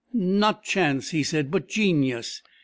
Not chance, he said, but genius!